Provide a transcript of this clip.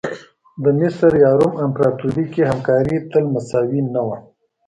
د مصر یا روم امپراتوري کې همکاري تل مساوي نه وه.